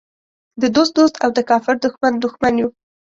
د دوست دوست او د کافر دښمن دښمن یو.